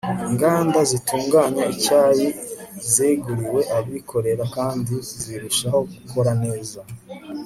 inganda zitunganya icyayi zeguriwe abikorera kandi zirushaho gukora neza